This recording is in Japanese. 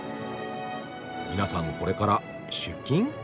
皆さんこれから出勤？